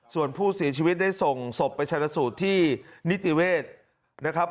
ส่วนผู้เสียชีวิตได้ส่งศพไปชนะสูตรที่นิติเวศนะครับ